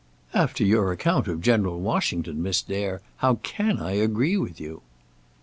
"After your account of General Washington, Miss Dare, how can I agree with you?"